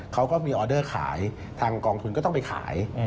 เขาก็มีออเดอร์ขายทางกองทุนก็ต้องไปขาย